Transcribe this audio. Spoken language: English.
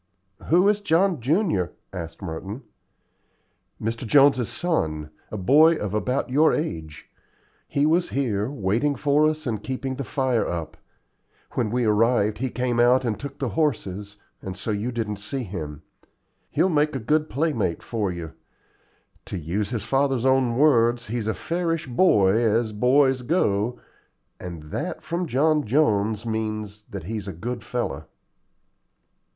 "Who is John junior?" asked Merton. "Mr. Jones's son, a boy of about your age. He was here waiting for us, and keeping the fire up. When we arrived he came out and took the horses, and so you didn't see him. He'll make a good playmate for you. To use his father's own words, 'He's a fairish boy as boys go,' and that from John Jones means that he's a good fellow."